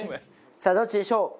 さあどっちでしょう？